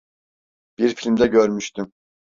Bir filmde görmüştüm.